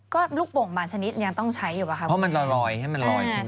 ก็ลูกโป่งบางชนิดยังต้องใช้อยู่ป่ะครับเพราะมันลอยให้มันลอยใช่ไหม